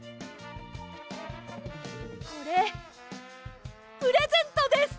これプレゼントです！